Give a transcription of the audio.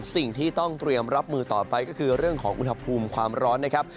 สิ่งที่ต้องเตรียมรับมือต่อไปก็คือเรื่องของอุณหภูมิความร้อนนะครับ